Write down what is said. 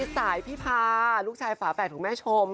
สายพี่พาลูกชายฝาแฝดของแม่ชม